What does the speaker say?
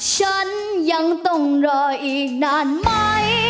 ฉันยังต้องรออีกนานไหม